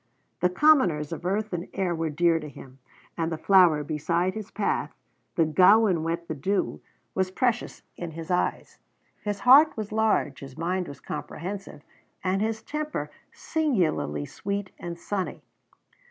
The commoners of earth and air were dear to him; and the flower beside his path, the gowan wet with dew, was precious in his eyes. His heart was large, his mind was comprehensive, and his temper singularly sweet and sunny.